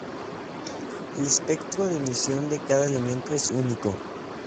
El espectro de emisión de cada elemento es único.